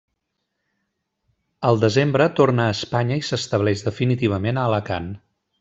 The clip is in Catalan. Al desembre torna a Espanya i s'estableix definitivament a Alacant.